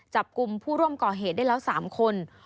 จับกลุ่มผู้ร่วมก่อเหตุได้แล้ว๓คน